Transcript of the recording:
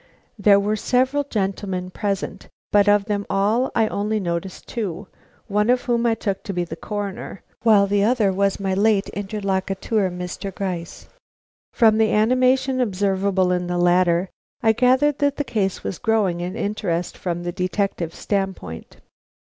There were several gentlemen present, but of them all I only noticed two, one of whom I took to be the Coroner, while the other was my late interlocutor, Mr. Gryce. From the animation observable in the latter, I gathered that the case was growing in interest from the detective standpoint.